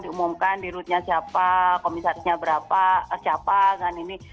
diumumkan di rutnya siapa komisarisnya berapa siapa kan ini